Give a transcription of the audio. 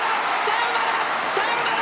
サヨナラ！